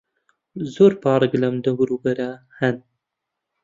زۆر پارک لەم دەوروبەرە هەن.